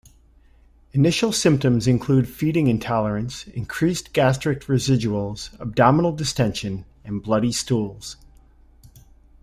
Initial symptoms include feeding intolerance, increased gastric residuals, abdominal distension and bloody stools.